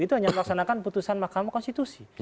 itu hanya melaksanakan putusan mahkamah konstitusi